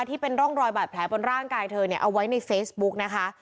ที่เป็นร่องรอยบาดแผลบนร่างกายเธอเนี่ยเอาไว้ในเฟซบุ๊กนะคะ